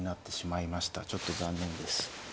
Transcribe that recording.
ちょっと残念です。